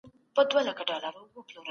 د ګلونو راټولول باید سهار وختي ترسره شي.